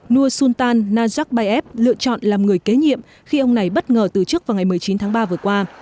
nu sultan nazarkbayev lựa chọn làm người kế nhiệm khi ông này bất ngờ từ chức vào ngày một mươi chín tháng ba vừa qua